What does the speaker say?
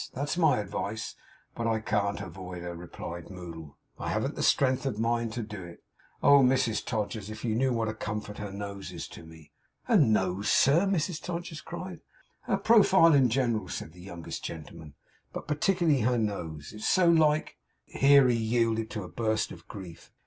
That's my advice.' 'But I can't avoid her,' replied Moddle, 'I haven't strength of mind to do it. Oh, Mrs Todgers, if you knew what a comfort her nose is to me!' 'Her nose, sir!' Mrs Todgers cried. 'Her profile, in general,' said the youngest gentleman, 'but particularly her nose. It's so like;' here he yielded to a burst of grief.